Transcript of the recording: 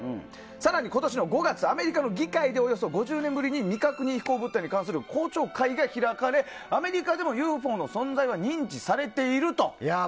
更に今年の５月アメリカの議会でおよそ５０年ぶりに未確認飛行物体に関する公聴会が開かれアメリカでもＵＦＯの存在は認知されていると。